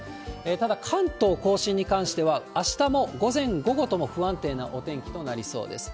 ただ、関東甲信に関しては、あしたも午前、午後とも不安定なお天気となりそうです。